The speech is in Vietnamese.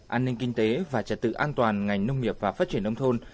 an ninh kinh tế và trật tự an toàn ngành nông nghiệp và phát triển nông thôn